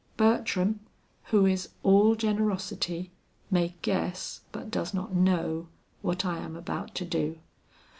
Bertram, who is all generosity, may guess but does not know, what I am about to do.